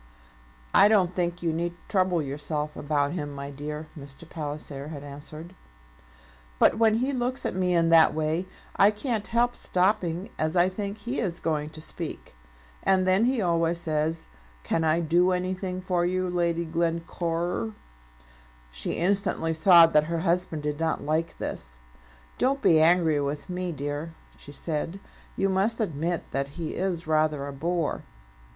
"I don't think you need trouble yourself about him, my dear," Mr. Palliser had answered. "But when he looks at me in that way, I can't help stopping, as I think he is going to speak; and then he always says, 'Can I do anything for you, Lady Glen cowrer?'" She instantly saw that her husband did not like this. "Don't be angry with me, dear," she said. "You must admit that he is rather a bore."